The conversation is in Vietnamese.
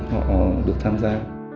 họ được tham gia